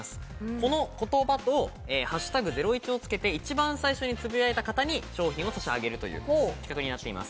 この言葉と「＃ゼロイチ」をつけて一番最初につぶやいた方に賞品を差し上げるという企画になっています。